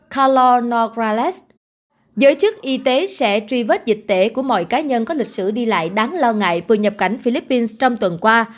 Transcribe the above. kalo nograles giới chức y tế sẽ truy vết dịch tễ của mọi cá nhân có lịch sử đi lại đáng lo ngại vừa nhập cảnh philippines trong tuần qua